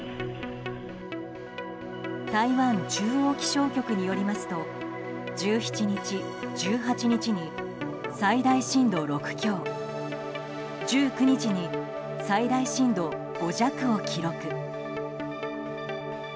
台湾中央気象局によりますと１７日、１８日に最大震度６強１９日に最大震度５弱を記録。